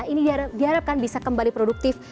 ini diharapkan bisa kembali produktif